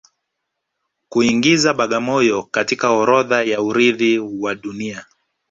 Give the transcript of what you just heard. Kuingiza Bagamoyo katika orodha ya urithi wa Dunia